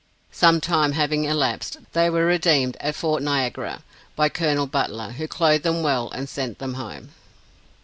Sometime having elapsed, they were redeemed at Fort Niagara by Col. Butler, who clothed them well, and sent them home.